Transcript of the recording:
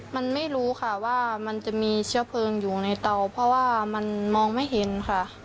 มันไม่รู้ค่ะว่ามันจะมีเชื้อเพลิงอยู่ในเตาเพราะว่ามันมองไม่เห็นค่ะ